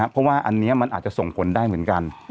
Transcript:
เพราะว่าอันนี้มันอาจจะส่งผลได้เหมือนกัน